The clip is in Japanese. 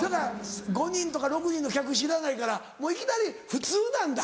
５人とか６人の客知らないからいきなり普通なんだ。